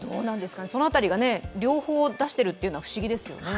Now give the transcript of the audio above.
その辺りが、両方出しているというのは不思議ですよね。